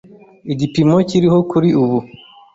igipimo kiriho kuri ubu